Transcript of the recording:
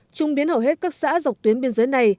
trung biến hầu hết các xã dọc tuyến biên giới này